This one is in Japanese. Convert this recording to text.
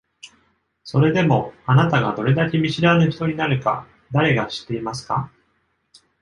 それでも、あなたがどれだけ見知らぬ人になるか誰が知っていますか？